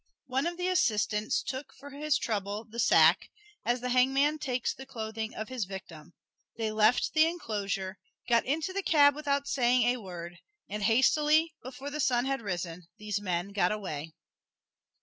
One of the assistants took for his trouble the sack as the hangman takes the clothing of his victim they left the enclosure, got into the cab without saying a word, and, hastily, before the sun had risen, these men got away."